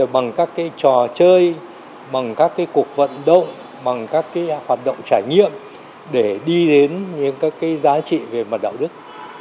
bằng các cái trò chơi bằng các cái cuộc vận động bằng các cái hoạt động trải nghiệm để đi đến những các cái giá trị về mặt đạo đức